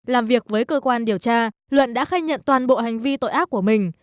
làm việc với cơ quan điều tra luận đã khai nhận toàn bộ hành vi tội ác của mình